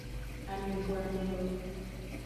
Amebuame yo.